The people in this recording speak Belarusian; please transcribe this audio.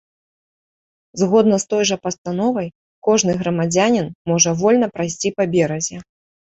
Згодна з той жа пастановай, кожны грамадзянін можа вольна прайсці па беразе.